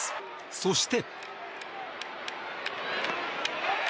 そして。